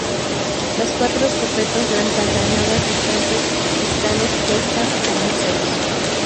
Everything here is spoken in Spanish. Las cuatro escopetas lanzagranadas restantes están expuestas en museos.